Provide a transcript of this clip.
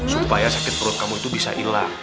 supaya sakit perut kamu itu bisa hilang